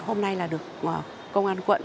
hôm nay là được công an quận